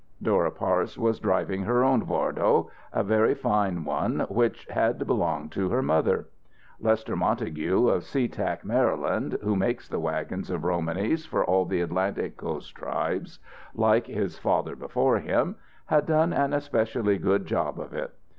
Dora Parse was driving her own wardo, a very fine one which had belonged to her mother. Lester Montague, of Sea Tack, Maryland, who makes the wagons of Romanys for all the Atlantic coast tribes, like his father before him, had done an especially good job of it.